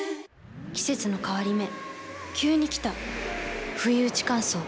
季節の変わり目急に来たふいうち乾燥。